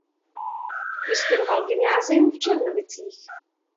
Vystudoval gymnázium v Černovicích.